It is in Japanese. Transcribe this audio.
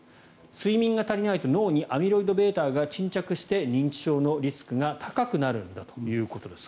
睡眠が足りないと脳にアミロイドβが沈着して認知症のリスクが高くなるんだということです。